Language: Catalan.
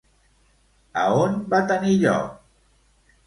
A on va tenir lloc?